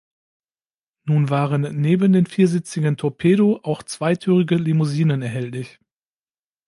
Nun waren neben den viersitzigen Torpedo auch zweitürige Limousinen erhältlich.